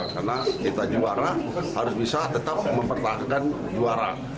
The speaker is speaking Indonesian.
karena kita juara harus bisa tetap mempertahankan juara